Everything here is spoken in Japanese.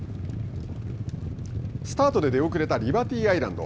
スタートで出遅れたリバティアイランド。